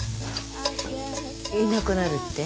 いなくなるって？